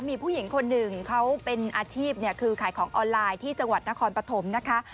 มีผู้หญิงคนหนึ่งเขาเป็นอาชีพคือขายของออนไลน์ที่จังหวัดนครปฐมนะคะ